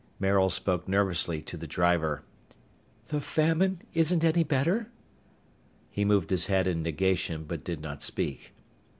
Maril spoke nervously to the driver. "The famine isn't any better?" He moved his head in negation, but did not speak.